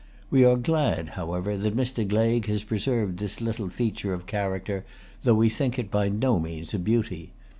We are glad, however, that Mr. Gleig has preserved this little feature of character, though we think it by no means a beauty.